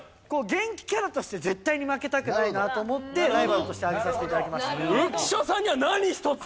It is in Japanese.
元気キャラとして絶対に負けたくないなと思ってライバルとして挙げさせて頂きました。